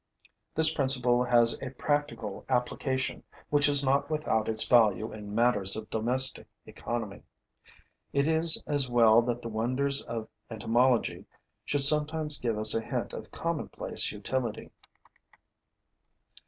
This principle has a practical application which is not without its value in matters of domestic economy. It is as well that the wonders of entomology should sometimes give us a hint of commonplace utility.